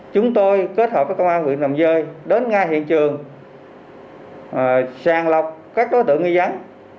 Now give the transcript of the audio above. chúng tôi kết hợp với công an huyện đầm dơi đến ngay hiện trường sàng lọc các đối tượng nghi dắn